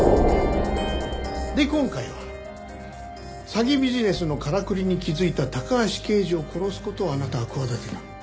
で今回は詐欺ビジネスのからくりに気づいた高橋刑事を殺す事をあなたは企てた。